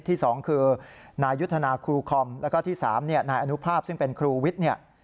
ที่๒คือนายยุทธนาครูคอมแล้วก็ที่๓นายอนุภาพซึ่งเป็นครูวิทย์เนี่ย